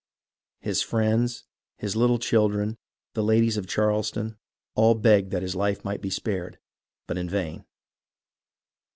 His friends, his little children, the ladies of Charleston, all begged that his life might be spared, but in vain.